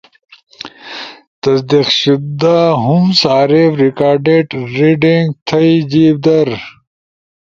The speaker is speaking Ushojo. تصدیق شدہم صارف ریکارڈیٹ ریڈنگ تھئی جیِب در